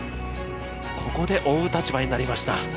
ここで追う立場になりました。